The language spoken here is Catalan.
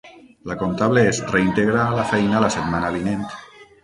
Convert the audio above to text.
La comptable es reintegra a la feina la setmana vinent.